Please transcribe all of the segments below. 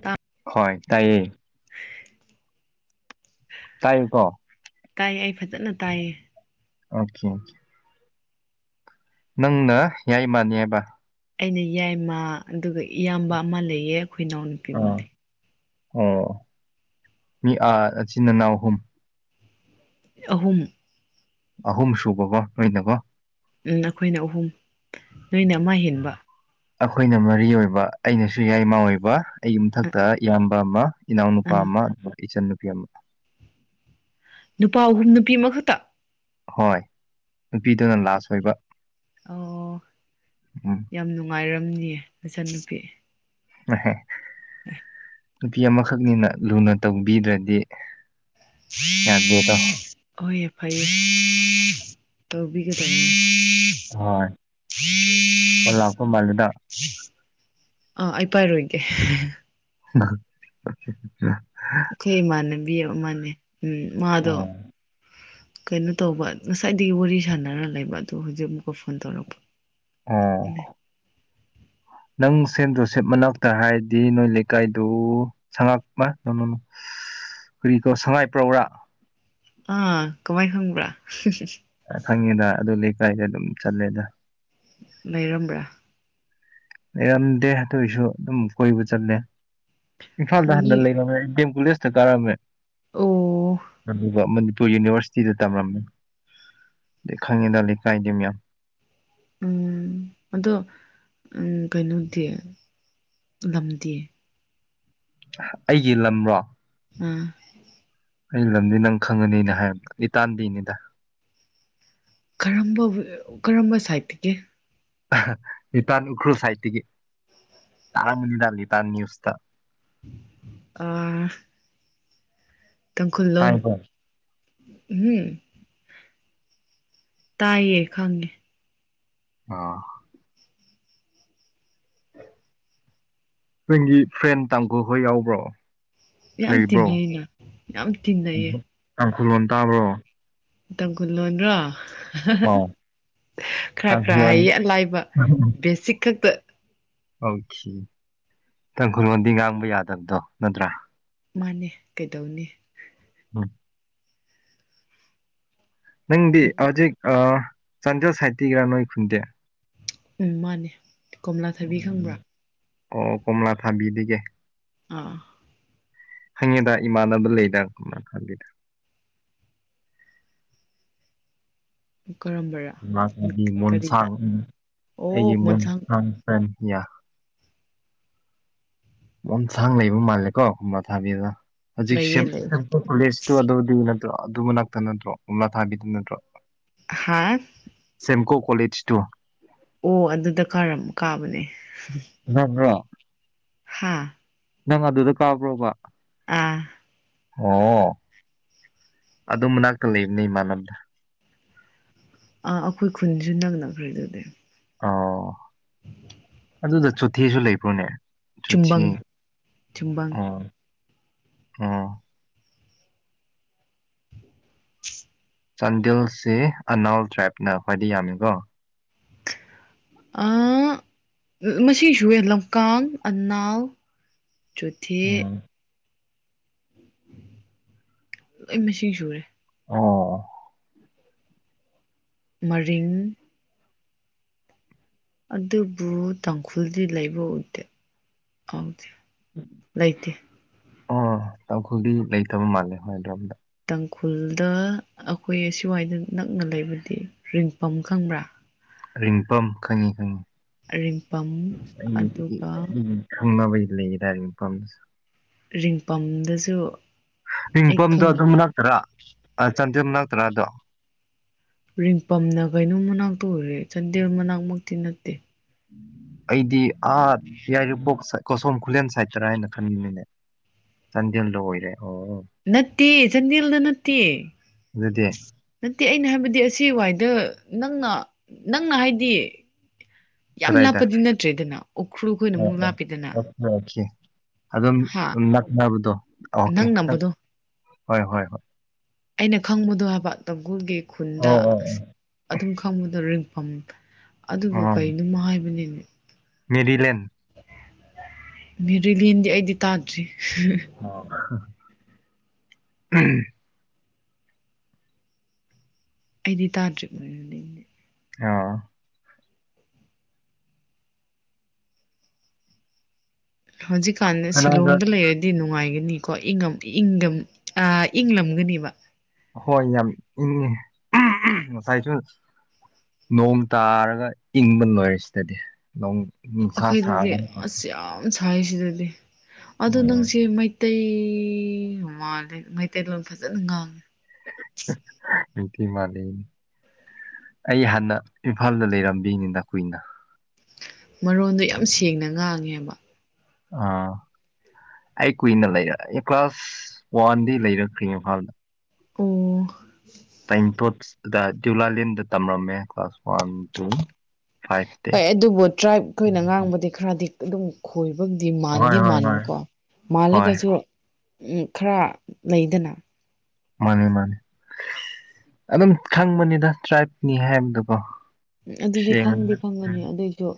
ꯇꯥ ꯍꯣꯏ ꯇꯥꯏꯌꯦ ꯇꯥꯏ ꯀꯣ ꯇꯥꯏꯌꯦ ꯑꯩ ꯐꯖꯅ ꯇꯥꯏꯌꯦ ꯑꯣꯀꯦ ꯑꯣꯀꯦ ꯅꯪꯅ ꯌꯥꯏꯃꯅꯤ ꯍꯥꯏꯕ ꯑꯩꯅ ꯌꯥꯏꯃ ꯑꯗꯨꯒ ꯏꯌꯥꯝꯕ ꯑꯃ ꯂꯩꯌꯦ ꯑꯩꯈꯣꯏ ꯏꯅꯥꯎ ꯅꯨꯄꯤ ꯑ ꯑꯃ ꯂꯩ ꯑꯣ ꯃꯤ ꯑꯥꯆꯤꯟ ꯑꯅꯥꯎ ꯑꯍꯨꯝ ꯑꯍꯨꯝ ꯑꯍꯨꯝ ꯁꯨꯕꯒ ꯂꯣꯏꯅꯕ ꯎꯝ ꯑꯩꯈꯣꯏꯅ ꯑꯍꯨꯝ ꯅꯣꯏꯅ ꯑꯃ ꯍꯦꯟꯕ ꯑꯩꯈꯣꯏꯅ ꯃꯔꯤ ꯑꯣꯏꯕ ꯑꯩꯅꯁꯨ ꯌꯥꯏꯃꯥ ꯑꯣꯏꯕ ꯑꯩꯒꯤ ꯑ ꯃꯊꯛꯇ ꯏꯌꯥꯝ ꯕꯃ ꯏꯅꯥꯎꯅꯨꯄꯥ ꯑꯪ ꯑꯃ ꯏ ꯆ ꯅꯨꯨꯄꯤ ꯑꯃ ꯅꯨꯄꯥ ꯑꯍꯨꯝ ꯅꯨꯄꯤ ꯑꯃꯈꯛꯇ ꯍꯣꯏ ꯅꯨꯄꯤꯗꯨꯅ ꯂꯥꯁ ꯑꯣꯏꯕ ꯑꯣ ꯎꯝ ꯌꯥꯝ ꯅꯨꯡꯉꯥꯏꯔ ꯆꯅꯤꯌꯦ ꯃꯆꯟꯅꯨꯄꯤ ꯑ ꯍ ꯅꯨꯄꯤ ꯑꯃꯈꯛꯅꯤꯅ ꯂꯨꯅ ꯇꯧꯕꯤꯗ꯭ꯔꯗꯤ ꯌꯥꯕꯨꯗ ꯍꯥ ꯐ ꯇꯕꯤꯒꯗꯅꯤ ꯍꯣꯏꯣꯏ ꯂꯥꯛꯄ ꯃꯥꯗꯨꯗ ꯑ ꯑꯩ ꯄꯥꯏꯔꯣꯏꯒꯦ [inaudible] ꯈꯩ ꯃꯥꯅꯕꯤ ꯃꯥꯅꯤ ꯎ ꯎꯝ ꯑ ꯃꯥꯗꯣ ꯀꯩꯅꯣ ꯇꯧꯕ ꯉꯁꯥꯏꯗꯒꯤ ꯋꯥꯔꯤ ꯁꯥꯟꯅꯔ ꯂꯩꯕ ꯑꯗꯨ ꯍꯧꯖꯤꯛ ꯑꯃꯨꯛꯀ ꯐꯣꯟ ꯇꯧꯔꯛꯄ ꯑꯥ ꯅꯪ ꯁꯦꯝꯦꯟ ꯖꯣꯁꯦꯞ ꯃꯅꯥꯛꯇ ꯍꯥꯏꯔꯗꯤ ꯅꯣꯏ ꯂꯩꯀꯥꯏꯗꯨ ꯁꯉꯥꯛꯄ ꯅ ꯀꯔꯤ ꯀꯣ ꯁꯉꯥꯏ ꯄ꯭ꯔꯧꯔꯥ ꯑꯥ ꯀꯃꯥꯏꯅ ꯐꯪꯕ꯭ꯔꯥ ꯈꯪꯉꯦꯗ ꯑꯗꯨ ꯂꯩꯀꯥꯏꯗ ꯑꯗꯨꯝ ꯆꯠꯂꯦꯗ ꯂꯩꯔꯝꯕ꯭ꯔꯥ ꯑꯦ ꯗꯦ ꯍ ꯇꯁꯨ ꯑꯗꯨꯝ ꯀꯕꯨ ꯆꯠꯗꯦ ꯑꯗꯨ ꯏꯝꯐꯥꯜꯗꯍꯥꯟꯗ ꯅꯣꯏ ꯂꯩ ꯁꯦ ꯇꯔꯝꯃꯦ ꯑꯣ ꯑ ꯃꯅꯤ ꯌꯨꯅꯤꯚꯔꯁꯤꯇꯤꯗ ꯇꯝꯂꯝꯝꯃꯦ ꯑꯗꯩ ꯈꯪꯉꯤꯗ ꯂꯩ ꯀꯥꯏꯗꯦ ꯃꯌꯥꯝ ꯎꯝ ꯑꯗꯣ ꯀꯩꯅꯣꯗꯤ ꯂꯝꯗꯤ ꯑꯩꯒꯤ ꯂꯝꯔꯣ ꯎꯝ ꯑꯩꯒꯤ ꯂꯝꯗꯤ ꯅꯪ ꯈꯪꯉꯅꯤꯅ ꯍꯥꯏꯕ ꯑꯩ ꯇꯥꯟꯗꯦꯅꯤꯗ ꯀꯔꯝꯕ ꯀꯔꯝꯕ ꯁꯥꯏꯠꯇꯒꯤ ꯅꯤꯄꯥꯟ ꯎꯈ꯭ꯔꯨꯜ ꯁꯥꯏꯇꯒꯤ ꯊꯅꯤ ꯗꯂꯤ ꯇꯥꯟꯅꯤ ꯎꯁꯇ ꯑ ꯇꯥꯡꯈꯨꯜꯂꯣꯟꯣ ꯇꯥꯏꯀꯣ ꯎꯝ ꯇꯥꯏꯌꯦ ꯈꯦ ꯑꯥ ꯅꯪꯒꯤ ꯐ꯭ꯔꯦꯟ ꯇꯥꯡꯈꯨ ꯍꯣꯏ ꯌꯥꯎꯕ꯭ꯔꯣ ꯌꯥꯝ ꯂꯩꯕ꯭ꯔꯣ ꯇꯤꯟꯅꯩꯅ ꯌꯥꯝ ꯇꯤꯟꯅꯩꯌꯦ ꯇꯥꯡꯈꯨꯜ ꯂꯣꯟ ꯇꯥꯕ꯭ꯔꯣ ꯇꯥꯡꯈꯨꯜ ꯂꯣꯟ꯭ꯔꯣ ꯑꯥꯎ ꯈꯔ ꯈꯔ ꯍꯌꯦ ꯇꯥꯡꯈꯨꯜꯂꯣꯟ ꯑ ꯂꯥꯏꯕ ꯕꯦꯁꯤꯛ ꯈꯛꯇ ꯑꯣꯀꯦ ꯇꯪ ꯈꯨꯔꯣꯟꯗꯤ ꯉꯥꯡꯕ ꯌꯥꯗꯕꯗꯣ ꯅꯠꯇ꯭ꯔꯥ ꯃꯥꯅꯦ ꯀꯩꯗꯧꯅꯤ ꯎ ꯅꯪꯗꯤ ꯍꯧꯖꯤꯛ ꯑ ꯆꯥꯟꯗ꯭ꯔ ꯁꯥꯏꯇꯤꯒꯔꯥ ꯅꯣꯏ ꯈꯨꯗꯦ ꯎꯝ ꯃꯥꯅꯦ ꯀꯣꯝꯂꯥ ꯊꯥꯕꯤ ꯈꯪꯕ꯭ꯔꯥ ꯑꯣ ꯀꯃꯂꯥ ꯊꯥꯕꯤꯗꯤꯒꯦ ꯑꯥ ꯍꯪꯉꯦꯗ ꯏꯃꯥꯟꯅꯕ ꯂꯩꯗ ꯀꯅ ꯈꯜꯂꯤꯗ ꯀꯔꯝꯕꯔꯥ ꯃꯥꯗꯤ ꯀꯔꯤꯗ ꯃꯣꯟꯁꯥꯡ ꯎꯝ ꯑꯩꯒꯤ ꯃꯣꯟꯁꯥꯡ ꯐ꯭ꯔꯦꯟ ꯌꯥ ꯃꯣꯟ ꯁꯥꯡ ꯂꯩꯕ ꯃꯥꯜꯂꯦꯀꯣ ꯈꯕ ꯊꯥꯕꯤꯗꯅ ꯂꯩꯌꯦ ꯂꯩ ꯍꯧꯖꯤꯛꯣꯂꯦꯨ ꯑꯗꯨꯗꯤ ꯅꯠꯇ꯭ꯔ ꯑꯗꯨ ꯃꯅꯥꯛꯇ ꯅꯠꯇ꯭ꯔꯣ ꯑꯣꯝꯂꯥ ꯊꯥꯕꯤꯗ ꯅꯠꯇ꯭ꯔꯣ ꯍꯥ ꯇꯀꯣ ꯀꯣꯦꯖ ꯇꯨ ꯑꯣ ꯑꯗꯨꯗ ꯀꯥꯔꯝ ꯀꯥꯕꯅꯦ ꯅꯛꯕ꯭ꯔꯣ ꯍꯥꯥ ꯅꯪ ꯑꯗꯨꯗ ꯀꯥꯕ꯭ꯔꯣꯕ ꯑꯥ ꯑꯣ ꯑꯗꯨ ꯃꯅꯥꯛꯇ ꯂꯩꯕꯅꯤ ꯏꯃꯥꯟꯅꯕꯗ ꯑ ꯑꯩꯈꯣꯏ ꯈꯨꯟꯁꯨ ꯅꯛꯅꯈ꯭ꯔꯦ ꯑꯗꯨꯗꯤ ꯑꯣ ꯑꯗꯨꯗ ꯆꯨꯊꯤꯁꯨ ꯂꯩꯕ꯭ꯔꯣꯅꯦ ꯆꯨꯝꯕꯥꯪ ꯆꯣꯊꯤ ꯆꯨꯝꯕꯥꯪ ꯑ ꯆꯥꯟꯗꯤꯦꯜꯁꯤ ꯑꯅꯥꯜ ꯇ꯭ꯔꯥꯏꯞꯅ ꯈ꯭ꯋꯥꯏꯗ ꯌꯥꯝꯃꯤꯀꯣ ꯃꯁꯤꯁꯨ ꯂꯝꯀꯥꯡ ꯑꯅꯥꯎ ꯆꯊꯤ ꯎꯝ ꯑꯩ ꯃꯁꯤꯁꯨꯨꯔꯦ ꯑꯣ ꯃꯔꯤꯡ ꯑꯗꯨꯕꯨ ꯇꯥꯡꯈꯨꯜꯗꯤ ꯂꯩꯕ ꯎꯗꯦꯥꯎꯗꯦ ꯂꯩꯇ ꯑꯣ ꯇꯥꯡꯈꯨꯜꯗꯤ ꯂꯩꯇꯕ ꯃꯥꯜꯂꯦ ꯍꯣꯏꯗ꯭ꯔꯣ ꯑꯝꯗ ꯇꯥꯡꯈꯨꯜꯗ ꯑꯩꯈꯣꯏ ꯑ ꯁꯤꯋꯥꯏꯗ ꯅꯛꯅ ꯂꯩꯕꯗꯤ ꯔꯤꯡꯄꯝ ꯈꯪꯕ꯭ꯔꯥ ꯔꯤꯡꯄꯝ ꯈꯪꯉꯤ ꯈꯪꯉꯤ ꯔꯤꯝꯄꯝ ꯑꯗꯨꯒ ꯈꯪꯅꯕꯒꯤ ꯂꯩꯌꯦ ꯥꯔꯤꯐꯝꯝꯁ ꯔꯤꯡꯄꯝꯗꯁꯨ ꯑꯩ ꯈꯪꯅꯩ ꯆꯥꯟꯖꯝ ꯅꯛꯇ꯭ꯔ ꯑꯗꯣ ꯔꯤꯡꯄꯝꯅ ꯀꯩꯅꯣꯝ ꯃꯅꯥꯛꯇ ꯎꯔꯦ ꯆꯟꯗꯦꯜ ꯃꯅꯥꯛꯃꯛꯇꯤ ꯅꯠꯇꯦ ꯑꯩꯗꯤ ꯑꯥ ꯌꯥꯏꯔꯤꯄꯣꯛ ꯀꯣꯁꯣꯝ ꯈꯨꯂꯦꯟ ꯁꯥꯏꯠꯇꯔꯥ ꯍꯥꯏꯅ ꯈꯟꯅꯤꯡꯅꯤꯅꯦ ꯆꯥꯟꯗꯦꯜꯗ ꯑꯣꯏꯔꯦ ꯑꯣ ꯅꯠꯇ ꯆꯟꯗꯦꯜꯗ ꯅꯠꯇꯦ ꯑꯗꯨꯗꯤ ꯅꯠꯇꯦ ꯑꯩꯅ ꯍꯥꯏꯕꯗꯤ ꯑꯁꯤ ꯋꯥꯏꯗ ꯅꯪꯅ ꯅꯪꯅ ꯍꯥꯏꯗꯤ ꯌꯥꯝ ꯀꯗꯥꯏꯗ ꯂꯥꯞꯄꯗꯤ ꯅꯠꯇ꯭ꯔꯦꯗꯅ ꯎꯈ꯭ꯔꯨꯈ ꯑꯣꯏꯅ ꯑꯣ ꯑꯃꯨꯛ ꯑꯣ ꯂꯥꯞꯄꯤꯗꯅ ꯑꯣꯀꯦ ꯑꯣꯀꯦ ꯑꯗꯨꯝ ꯍꯥ ꯅꯛꯅꯕꯗꯣ ꯑꯣꯀꯦ ꯅꯪ ꯅꯝꯕꯗꯣ ꯍꯣꯏ ꯍꯣꯏ ꯍꯣꯏ ꯑꯩꯅ ꯈꯪꯕꯗꯣ ꯍꯥꯏꯕ ꯇꯈꯨꯒꯤ ꯈꯨꯟꯗ ꯑꯣ ꯑ ꯑꯣ ꯑꯣ ꯑꯗꯨꯝ ꯈꯪꯕꯗꯣ ꯝ ꯑꯗꯨꯒ ꯀꯅꯣꯃ ꯍꯥꯏꯕꯅꯤꯅꯣ ꯃꯦꯗꯤꯂꯦꯟ ꯃꯦꯔꯤꯂꯤꯦꯟꯗꯤ ꯑꯩꯗꯤ ꯇꯥꯗ꯭ꯔꯤ ꯑ ꯎꯝ ꯑꯩꯗꯤ ꯇꯥꯗ꯭ꯔꯤ ꯂꯩꯅꯦ ꯑꯥ ꯍꯧꯖꯤꯛꯀꯥꯟꯗ ꯀꯅꯥꯒ ꯁꯤꯂꯣꯡꯗ ꯂꯩꯔꯗꯤ ꯅꯨꯡꯉꯥꯏ ꯀꯣ ꯑ ꯏꯪꯝꯒꯅꯤꯕ ꯏꯪꯉꯤ ꯉꯁꯥꯏꯁꯨ ꯅꯣꯡ ꯇꯥꯔꯒ ꯏꯪꯕ ꯂꯣꯏꯔꯦ ꯁꯤꯗꯗꯤ ꯅꯣꯡ ꯅꯨꯡꯁꯥ ꯁꯥꯔꯒ ꯈꯥꯏꯁꯤꯗꯗꯤ ꯑꯗ ꯅꯪꯁꯦꯩ ꯃꯩꯇꯩ ꯃꯥꯜꯂꯦ ꯃꯩꯇꯩꯂꯣꯟ ꯐꯖꯅ ꯉꯥꯡꯉꯦ ꯅꯨꯡꯤ ꯃꯥꯂ ꯑꯩ ꯍꯥꯟꯅ ꯏꯝꯐꯥꯜꯗ ꯂꯩꯔꯝꯕꯤꯅꯤꯅꯅꯥ ꯀꯨꯏꯅ ꯃꯔꯣꯟꯗꯣ ꯌꯥꯝ ꯁꯦꯡꯅ ꯉꯥꯡꯉꯦꯕ ꯑꯥ ꯑꯩ ꯀꯨꯏꯅ ꯂꯩꯔ ꯀ꯭ꯂꯥꯁ ꯋꯥꯟꯗꯤ ꯂꯩꯔꯈ꯭ꯔꯤ ꯏꯝꯐꯥꯜꯗ ꯑꯣ ꯇꯥꯏꯄꯣꯠ ꯗ ꯗꯗꯤꯌꯨꯂꯥꯂꯦꯟꯗ ꯇꯝꯂꯝꯝꯃꯦ ꯍꯣꯏ ꯑꯗꯨꯕꯨ ꯇ꯭ꯔꯥꯏꯞ ꯑꯩꯈꯣꯏꯅ ꯉꯥꯡꯕꯗꯤ ꯈꯔꯗꯤ ꯑꯗꯨ ꯑꯗꯨꯝ ꯈꯣꯏ ꯊꯕꯛꯇꯗꯤ ꯍꯣꯏ ꯃꯥꯟꯗꯤ ꯍꯣꯏ ꯍꯣꯏ ꯃꯥꯟꯕꯥꯟꯕꯀꯣ ꯍꯣꯏ ꯃꯥꯜꯂꯒꯁꯨ ꯎꯝ ꯈꯔ ꯂꯩꯗꯅ꯫ ꯃꯥꯅꯤ ꯃꯥꯅꯤ ꯑꯗꯨꯝ ꯈꯪꯕꯅꯤꯗ ꯇ꯭ꯔꯥꯏꯕꯅꯤ ꯍꯥꯏꯕꯗꯨꯀꯣ꯫ ꯎꯝ ꯑꯗꯨꯗꯤ ꯈꯪꯗꯤ ꯈꯪꯒꯅꯤ ꯑꯗꯨꯏꯁꯨ꯫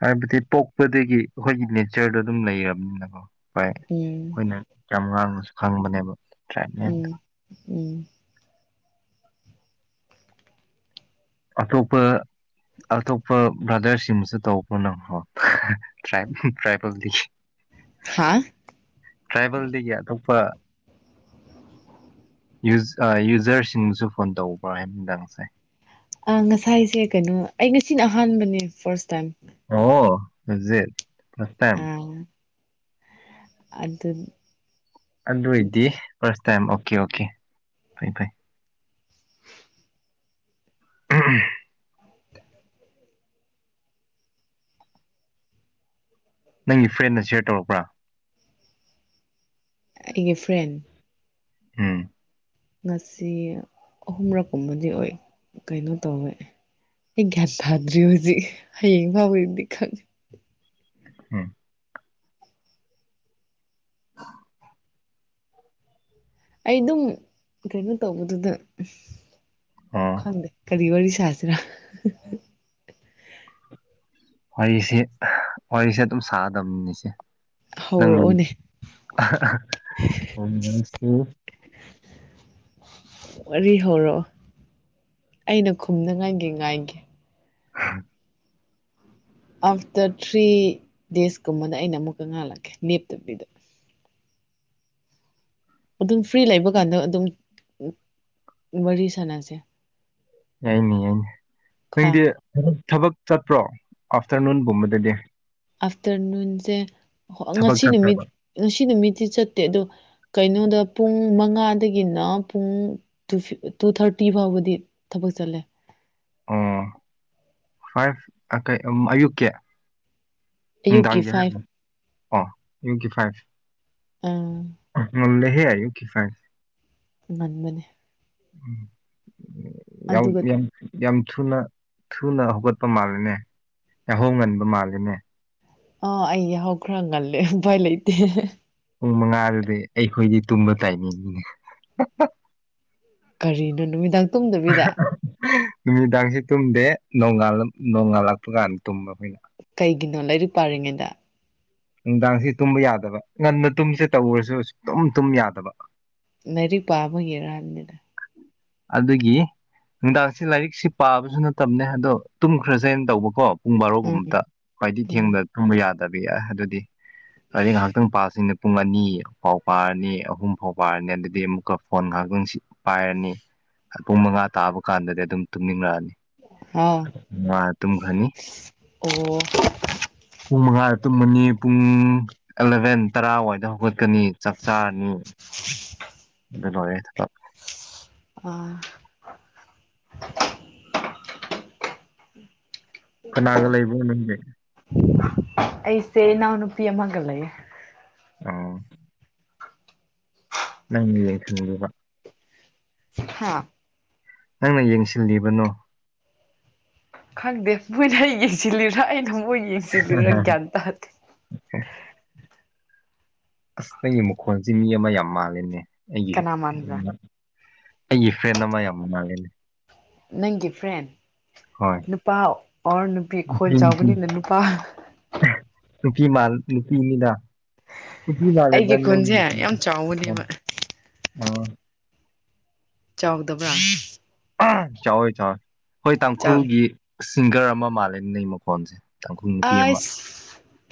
ꯍꯥꯏꯕꯗꯤ ꯄꯣꯛꯄꯗꯒꯤ ꯑꯩꯈꯣꯏꯒꯤ ꯅꯦꯆꯔꯗꯣ ꯑꯗꯨꯝ ꯂꯩꯔꯕꯅꯤꯅꯀꯣ꯫ ꯍꯣꯏ ꯎꯝ ꯑꯩꯈꯣꯏꯅ ꯌꯥꯝ ꯉꯥꯡꯉꯁꯨ꯫ ꯈꯪꯕꯅꯦꯕ꯫ ꯇ꯭ꯔꯥꯏꯞꯅꯦ ꯎꯝ ꯎꯝ꯫ ꯑꯇꯣꯞꯄ-ꯑꯇꯣꯞꯄ ꯕ꯭ꯔꯥꯗꯔꯁꯤꯡꯁꯨ ꯇꯧꯕꯅꯀꯣ ꯇ꯭ꯔꯥꯏꯕꯦꯜꯗꯤ꯫ ꯍꯥ ꯇ꯭ꯔꯥꯏꯕꯦꯜꯗꯒꯤ ꯑꯇꯣꯞꯄ꯫ ꯌꯨꯖꯔꯁꯤꯡꯁꯨ ꯐꯣꯟ ꯇꯧꯕ꯭ꯔꯥ ꯍꯥꯏꯕꯣ ꯅꯨꯡꯗꯥꯡꯁꯦ꯫ ꯑ ꯉꯁꯥꯏꯁꯦ ꯀꯩꯅꯣ ꯑꯩ ꯉꯁꯤꯅ ꯑꯍꯥꯟꯕꯅꯦ ꯐꯥꯔꯁ ꯇꯥꯏꯝ꯫ ꯑꯣ ꯍꯧꯖꯤꯛ꯫ First time. ꯑꯥ ꯑꯗꯨ꯫ ꯑꯗꯣꯏꯗꯤ꯫ ꯐꯥꯔꯁ ꯇꯥꯏꯝ ꯑꯣꯀꯦ-ꯑꯣꯀꯦ ꯐꯥꯏ-ꯐꯥꯏ꯫ ꯎꯝ꯫ ꯅꯪꯒꯤ ꯐ꯭ꯔꯦꯟꯅ ꯁꯤꯌꯔ ꯇꯧꯔꯛꯄ꯭ꯔꯥ꯫ ꯑꯩꯒꯤ ꯐ꯭ꯔꯦꯟ꯫ ꯍꯨꯝ꯫ ꯉꯁꯤ ꯑꯍꯨꯝꯔꯛꯀꯨꯝꯕꯗꯤ ꯑꯣꯏ ꯀꯩꯅꯣ ꯇꯧꯋꯦ ꯑꯩ ꯒ꯭ꯌꯥꯟ ꯇꯥꯗ꯭ꯔꯤ ꯍꯧꯖꯤꯛ ꯍꯌꯦꯡ ꯐꯥꯎꯕꯒꯤꯗꯤ ꯈꯪꯉꯦ꯫ ꯎꯝ꯫ [inaudible] ꯑꯩ ꯑꯗꯨꯝ ꯀꯩꯅꯣ ꯇꯧꯕꯗꯨꯗ꯫ ꯑꯣ ꯈꯪꯗꯦ ꯀꯔꯤ ꯋꯥꯔꯤ꯫ ꯆꯦꯖꯔꯥ [inaudible] ꯋꯥꯔꯤꯁꯦ-ꯋꯥꯔꯤꯁꯦ ꯑꯗꯨꯝ ꯁꯥꯗꯝꯅꯤ ꯁꯤꯁꯦ ꯫ ꯅꯪ ꯍꯧꯔꯛꯑꯣꯅꯦ ꯫ ꯋꯥꯔꯤ ꯍꯧꯔꯛꯑꯣ ꯑꯩꯅ ꯈꯨꯝꯅꯉꯥꯏꯒꯤ ꯉꯥꯏꯒꯦ꯫ ꯎꯝ꯫ ꯑꯥꯐꯇꯔ ꯊ꯭ꯔꯤ ꯗꯦꯁꯀꯨꯝꯕꯗ ꯑꯩꯅ ꯑꯃꯨꯛꯀ ꯉꯥꯜꯂꯛꯀꯦ ꯂꯦꯞꯇꯕꯤꯗ꯫ ꯑꯗꯨꯝ ꯐ꯭ꯔꯤ ꯂꯩꯕ ꯀꯥꯟꯗ ꯑꯗꯨꯝ ꯋꯥꯔꯤ ꯁꯥꯟꯅꯁꯦ꯫ ꯌꯦꯡꯒꯦ-ꯌꯦꯡꯒꯦ꯫ ꯀꯣ ꯅꯪꯗꯤ꯫ ꯊꯕꯛ ꯆꯠꯄ꯭ꯔꯣ ꯑꯥꯐꯇꯔꯅꯨꯟꯒꯨꯝꯕꯗꯗꯤ꯫ ꯑꯐꯇꯔꯅꯨꯟꯁꯦ꯫ ꯊꯕꯛ ꯉꯁꯤ ꯅꯨꯃꯤꯠ ꯆꯠꯄ꯭ꯔꯕ ꯉꯁꯤ ꯅꯨꯃꯤꯠꯇꯤ ꯆꯠꯇꯦ ꯑꯗꯣ ꯀꯩꯅꯣꯗ꯫ ꯄꯨꯡ ꯃꯉꯥꯗꯒꯤꯅ ꯄꯨꯡ ꯇꯨ ꯊꯥꯔꯇꯤ ꯐꯥꯎꯕꯗꯤ ꯊꯕꯛ ꯆꯠꯂꯦ꯫ ꯎꯝ ꯐꯩ ꯑꯌꯨꯛꯀꯤ꯫ ꯑꯌꯨꯛꯀꯤ ꯅꯨꯡꯗꯥꯡꯗꯤ꯫ ꯐꯥꯏꯚ ꯑ ꯌꯨꯒꯤ ꯐꯥꯏꯁꯦ ꯑꯥ ꯃ ꯂꯩꯦꯍꯦ ꯍꯥꯏꯌꯨ ꯀꯐꯥꯏ ꯃꯟꯃꯅꯦ ꯎꯝ ꯌꯥ ꯑꯗꯨꯒ ꯌꯥꯝ ꯊꯨꯅ ꯊꯨꯅ ꯍꯧꯒꯠꯄ ꯃꯥꯜꯂꯤꯅꯦ ꯌꯥꯍꯣꯡ ꯉꯟꯕ ꯃꯥꯜꯂꯤꯅꯦ ꯑ ꯑꯩ ꯌꯥꯎꯈ꯭ꯔ ꯉꯜꯂꯦ ꯎꯐꯥꯏ ꯂꯩꯇꯦ ꯄꯨꯡ ꯃꯉꯥꯗꯨꯗꯤ ꯑꯩꯈꯣꯏꯗꯤ ꯇꯨꯝꯕ ꯇꯥꯏꯃꯤꯡꯅꯦ ꯀꯔꯤꯅ ꯅꯨꯃꯤꯗ ꯇꯨꯝꯗꯕꯤꯗ ꯅꯨꯃꯤꯗꯥꯡꯁꯦ ꯇꯨꯝꯗꯦ ꯅꯣꯡꯜ ꯅꯣꯡꯉꯥꯜꯂꯛꯄ ꯀꯥꯟꯗ ꯇꯨꯝꯕ ꯍꯅ ꯄꯥꯉꯦꯗ ꯅꯨꯡꯗꯥꯡꯁꯤ ꯇꯨꯝꯕ ꯌꯥꯗꯕ ꯉꯟꯅ ꯇꯨꯝꯁꯦ ꯇꯧꯔꯁꯨ ꯑꯗꯨꯨꯝ ꯇꯨꯝ ꯌꯥꯗꯕ ꯂꯔꯤꯛ ꯄꯥꯕꯒꯤꯔꯅꯤꯅꯤꯅ ꯑꯗꯨꯒꯤ ꯅꯨꯡꯗꯥꯡꯁꯤ ꯂꯥꯏꯔꯤꯛꯁꯤ ꯄꯥꯕꯁꯨ ꯅꯠꯇꯕꯅꯦ ꯑꯗꯣ ꯇꯨꯝꯈ꯭ꯔꯁꯦꯅ ꯇꯧꯕꯀꯣ ꯄꯨꯡ ꯎꯝ ꯕꯥꯔꯣꯒꯨꯝꯕꯇ ꯈ꯭ꯋꯥꯏꯗꯤ ꯎꯝ ꯊꯦꯡꯗꯅ ꯊꯨꯝꯕ ꯌꯥꯗ ꯕꯤ ꯌꯥ ꯑꯗꯨꯗꯤ ꯑꯗꯨ ꯉꯥꯏꯍꯥꯛꯇꯪ ꯄꯥꯁꯤꯅ ꯄꯨꯡ ꯑꯅꯤ ꯐꯥꯎ ꯄꯥꯔꯅꯤ ꯑꯍꯨꯝ ꯐꯥꯎ ꯄꯥꯔꯅꯤ ꯑꯗꯨꯗꯤ ꯑꯃꯨꯛꯀ ꯐꯣꯟ ꯉꯥꯏꯍꯥꯛꯇꯪ ꯄꯥꯏꯔꯅꯤ ꯄꯨꯡ ꯃꯉꯥ ꯇꯥꯕ ꯀꯥꯟꯗꯗꯤ ꯑꯗꯨꯝ ꯇꯨꯝꯅꯤꯡꯂꯛꯑꯅꯤ ꯍꯥꯎ ꯑ ꯇꯈꯅꯤ ꯑꯣ ꯎꯃ ꯇꯨꯝꯃꯅꯤ ꯄꯨꯡ ꯑꯦꯂꯚꯦꯟ ꯇꯔꯥꯋꯥꯏꯗ ꯍꯧꯒꯠꯀꯅꯤ ꯆꯥꯛ ꯆꯥꯔꯅꯤ ꯑ ꯦ ꯑꯥ ꯀꯅꯥꯒ ꯂꯩꯕ ꯅꯝꯗ ꯑꯩꯁꯦ ꯅꯎ ꯅꯨꯄꯤ ꯑꯃꯃꯒꯜꯂꯒꯦ ꯅ ꯂꯩ ꯈꯟꯕ ꯍꯥꯥ ꯅꯪꯅ ꯌꯦꯡꯁꯤꯜꯂꯤꯕꯅꯣ ꯈꯪꯗꯦ ꯃꯣꯏꯅ ꯍꯒꯦꯁꯤꯜꯂꯤꯔꯥ ꯑꯩꯅ ꯊꯃꯣꯏ ꯌꯦꯡꯁꯤꯕꯤꯔ ꯒ꯭ꯌꯥꯟ ꯇꯥꯗꯦ ꯑꯁ ꯅꯪꯒꯤ ꯃꯈꯣꯟꯜꯁꯤꯦ ꯃꯤ ꯑꯃ ꯌꯥꯝ ꯃꯥꯜꯂꯤꯅꯦ ꯀꯅꯥꯃꯥꯟ꯭ꯔꯦ ꯑꯩꯒꯤ ꯐ꯭ꯔꯦꯟ ꯑꯃ ꯌꯥꯝ ꯃꯅꯥꯜꯂꯤꯅꯦ ꯅꯪꯒꯤ ꯐ꯭ꯔꯦꯟ ꯅꯨꯄꯥ ꯑꯣꯔ ꯅꯨꯄꯤ ꯈꯣꯟ ꯆꯥꯎꯕꯅꯤꯅ ꯅꯨꯄꯥ ꯅꯨꯄꯤ ꯃꯥꯜ ꯅꯨꯄꯤꯅꯤꯅ ꯑꯩꯒꯤ ꯈꯨꯟꯁꯦ ꯌꯥꯝ ꯆꯥꯎꯕꯅꯦꯕ ꯑꯥ ꯆꯥꯎꯗꯕ꯭ꯔꯥ ꯆꯥꯎꯥꯣꯏ ꯊꯥ ꯍꯣꯏ ꯆꯥꯎꯋꯤ ꯇꯥꯡꯈꯨꯜꯒꯤ ꯁꯤꯡꯒꯔ ꯑꯃ ꯃꯥꯜꯂꯦ ꯅ ꯃꯈꯣꯟꯁꯦ ꯇꯥꯡꯈꯨꯜ ꯅꯨꯄꯤ ꯑꯃ ꯑꯁ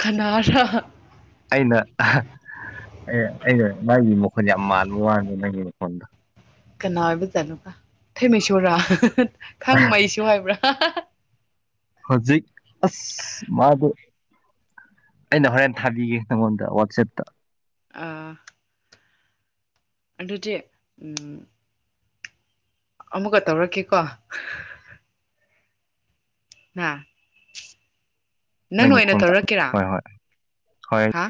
ꯈꯅꯔꯥ ꯑꯩꯅ ꯑꯩꯅ ꯃꯥꯒꯤ ꯃꯈꯣꯟꯁ ꯌꯥꯝ ꯃꯥꯟꯕ ꯋꯥꯡꯉꯦ ꯅꯪꯒꯤ ꯃꯈꯣꯟꯗꯣ ꯀꯅꯥꯕꯤ ꯆꯂꯨ ꯊꯩꯃꯩꯁꯣꯔꯥ ꯈꯪ ꯃꯩꯁꯨ ꯍꯥꯏꯕ꯭ꯔꯥ ꯍ ꯍ ꯍ ꯍꯧꯖꯤꯛ ꯑꯁ ꯃꯥꯗꯨꯣ ꯑꯩꯅ ꯍꯣꯔꯦꯟ ꯊꯥꯕꯤꯒꯦ ꯅꯪꯉꯣꯟꯗ ꯋꯥꯆꯦꯞꯇ ꯑꯥ ꯑꯖꯤꯦ ꯎꯝ ꯑꯃꯨꯛꯀ ꯇꯧꯔꯛꯀꯦꯀꯣ ꯍꯥꯥ ꯅꯪꯅ ꯅꯪꯒꯤ ꯑꯣꯏꯅ ꯃꯈꯣꯟ ꯆꯞ ꯇꯧꯔꯛꯀꯦꯔꯥ ꯍꯣꯏ ꯍꯣꯏ ꯍꯣꯏ ꯍꯥ